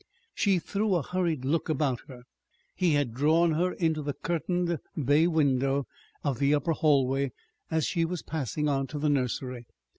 She threw a hurried look about her. He had drawn her into the curtained bay window of the upper hallway, as she was passing on to the nursery.